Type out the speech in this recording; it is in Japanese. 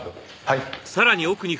はい。